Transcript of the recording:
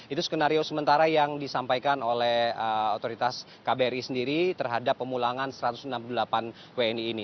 itu skenario sementara yang disampaikan oleh otoritas kbri sendiri terhadap pemulangan satu ratus enam puluh delapan wni ini